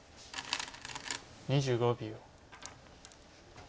２５秒。